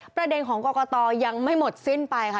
ประเด็นของกรกตยังไม่หมดสิ้นไปค่ะ